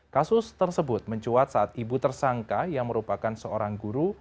kasus tersebut mencuat saat ibu tersangka yang merupakan seorang guru